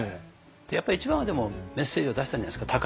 やっぱり一番はメッセージを出したんじゃないですか？